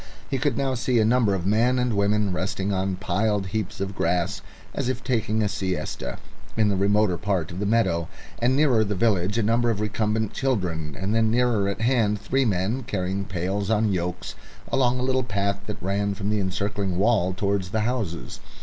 He could now see a number of men and women resting on piled heaps of grass, as if taking a siesta, in the remoter part of the meadow, and nearer the village a number of recumbent children, and then nearer at hand three men carrying pails on yokes along a little path that ran from the encircling wall towards the houses.